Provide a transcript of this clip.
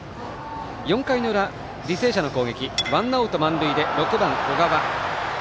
４回の裏、履正社の攻撃ワンアウト満塁で６番、小川。